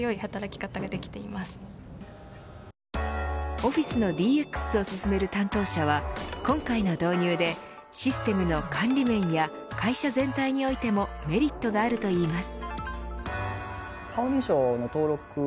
オフィスのＤＸを進める担当者は今回の導入でシステムの管理面や会社全体においてもメリットがあるといいます。